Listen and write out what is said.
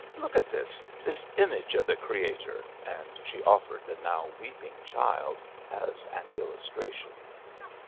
'Look at this this image of the Creator,' and she offered the now weeping child as an illustration.